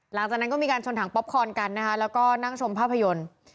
หลังจากนั้นก็มีการชนถังป๊อปคอนกันนะคะแล้วก็นั่งชมภาพยนตร์